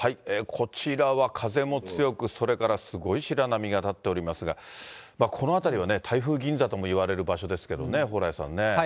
こちらは風も強く、それからすごい白波が立っておりますが、この辺りはね、台風銀座とも言われる場所ですけれどもね、蓬莱さんね。